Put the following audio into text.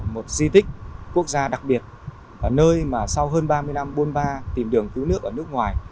một di tích quốc gia đặc biệt ở nơi mà sau hơn ba mươi năm bôn ba tìm đường cứu nước ở nước ngoài